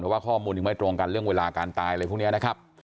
ว่าข้อมูลยังไม่ตรงกันเรื่องเวลาการตายอะไรพวกนี้นะครับ